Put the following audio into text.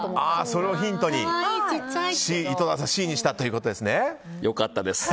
それをヒントに井戸田さんＣにしたということですね。